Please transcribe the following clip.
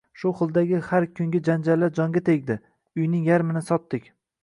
Shu xildagi har kungi janjallar jonga tegib, uyning yarmini sotdik